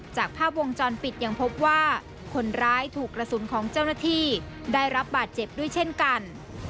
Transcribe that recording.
จากภาพวงจรปิดยังพบว่าคนร้ายถูกกระสุนของเจ้าหน้าที่ได้รับบาดเจ็บด้วยเช่นกัน